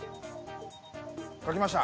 書きました。